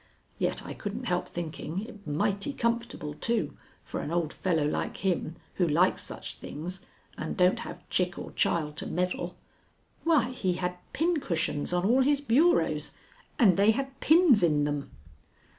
Yet I couldn't help thinking it mighty comfortable, too, for an old fellow like him who likes such things and don't have chick or child to meddle. Why, he had pincushions on all his bureaus, and they had pins in them."